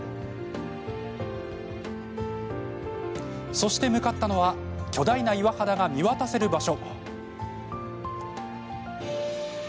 そして、向かったのは巨大な岩肌が見渡せる場所。